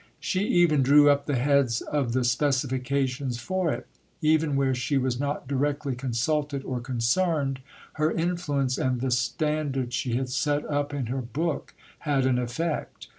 She even drew up the heads of the specifications for it. Even where she was not directly consulted or concerned, her influence and the standard she had set up in her book had an effect.